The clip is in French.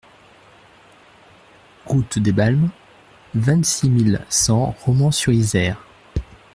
Route des Balmes, vingt-six mille cent Romans-sur-Isère